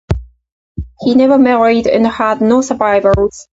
He never married and had no survivors.